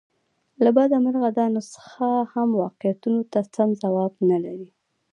له بده مرغه دا نسخه هم واقعیتونو ته سم ځواب نه لري.